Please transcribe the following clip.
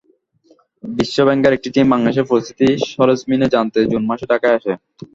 বিশ্বব্যাংকের একটি টিম বাংলাদেশের পরিস্থিতি সরেজমিনে জানতে জুন মাসে ঢাকায় আসে।